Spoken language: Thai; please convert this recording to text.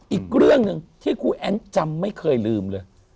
อีกเรื่องหนึ่งที่ครูแอ้นจำไม่เคยลืมเลย